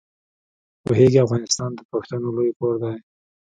پوهېږې افغانستان د پښتنو لوی کور دی.